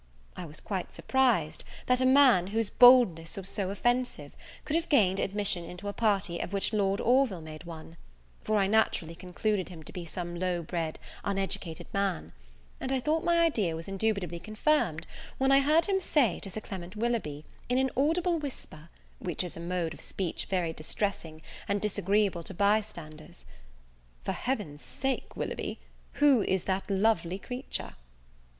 I was quite surprised, that a man, whose boldness was so offensive, could have gained admission into a party of which Lord Orville made one; for I naturally concluded him to be some low bred, uneducated man; and I thought my idea was indubitably confirmed, when I heard him say to Sir Clement Willoughby, in an audible whisper, which is a mode of speech very distressing and disagreeable to bystanders, "For Heaven's sake, Willoughby, who is that lovely creature?"